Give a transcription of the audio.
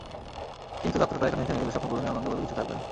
কিন্তু যাত্রাটা এখানেই থেমে গেলে স্বপ্নপূরণের আনন্দ বলে কিছু থাকবে না।